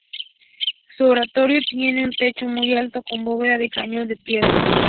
Su oratorio tiene un techo muy alto con bóveda de cañón de piedra.